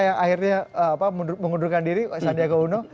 yang akhirnya mengundurkan diri sandiaga uno